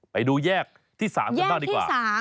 ไปดูแยกที่๓กันบ้างดีกว่า